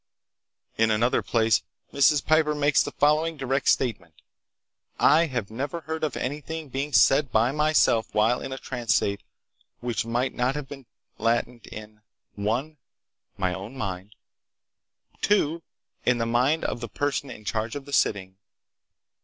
In another place Mrs. Piper makes the following direct statement: "I never heard of anything being said by myself while in a trance state which might not have been latent in: "1. My own mind. "2. In the mind of the person in charge of the sitting.